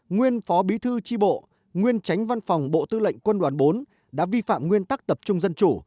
nguyên phó bí thư tri bộ nguyên tránh văn phòng bộ tư lệnh quân đoàn bốn đã vi phạm nguyên tắc tập trung dân chủ